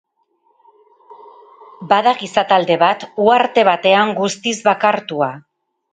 Bada gizatalde bat, uharte batean guztiz bakartua.